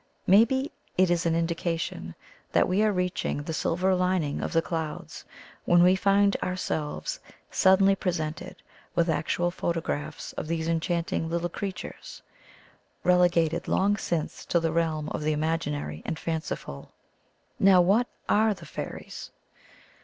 Maybe it is an indi cation that we are reaching the silver lining of the clouds when we find ourselves sud denly presented with actual photographs of these enchanting little creatures — relegated long since to the realm of the imaginary and fanciful. *'Now, what are the fairies'?